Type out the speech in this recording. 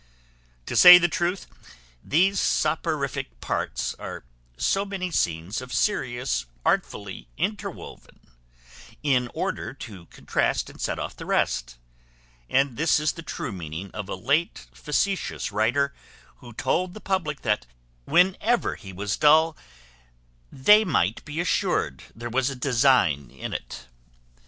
To say the truth, these soporific parts are so many scenes of serious artfully interwoven, in order to contrast and set off the rest; and this is the true meaning of a late facetious writer, who told the public that whenever he was dull they might be assured there was a design in it.